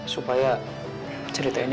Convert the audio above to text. supaya cerita ini